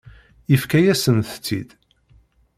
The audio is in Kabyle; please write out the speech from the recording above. Yefka-yasent-t-id.